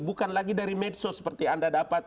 bukan lagi dari medsos seperti anda dapat